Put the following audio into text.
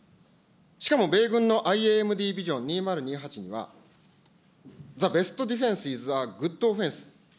しかも米軍のＩＡＭＤビジョン２０２８には、ザ・ベストディフェンス・イズ・ア・グッド・オフェンス。